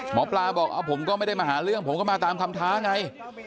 หมอปลาบอกผมก็ไม่ได้มาหาเรื่องผมก็มาตามคำท้าไง